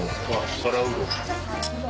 皿うどん。